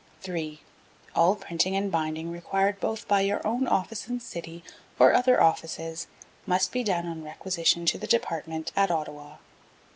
3. All printing and binding required both by your own office and city or other offices must be done on requisition to the Department, at Ottawa.